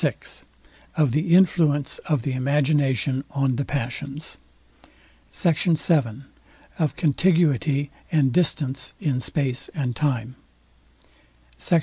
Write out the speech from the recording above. VI OF THE INFLUENCE OF THE IMAGINATION ON THE PASSIONS SECT. VII OF CONTIGUITY AND DISTANCE IN SPACE AND TIME SECT.